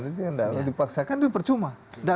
tidak usah dipaksakan itu percuma